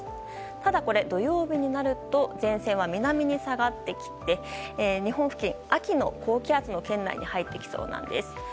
ただ土曜日になると前線は南に下がってきて日本付近、秋の高気圧の圏内に入ってきそうです。